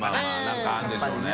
何かあるんでしょうね。